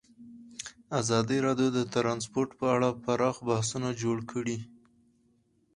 ازادي راډیو د ترانسپورټ په اړه پراخ بحثونه جوړ کړي.